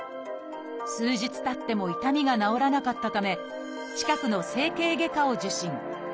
数日たっても痛みが治らなかったため近くの整形外科を受診。